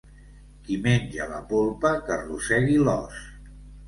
Qui menja la polpa, que rosegui l'os.